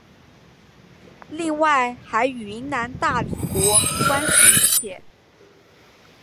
另外还与云南大理国关系密切。